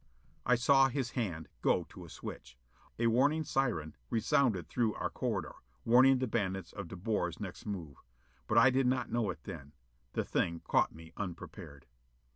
I saw his hand go to a switch. A warning siren resounded through our corridor, warning the bandits of De Boer's next move. But I did not know it then: the thing caught me unprepared.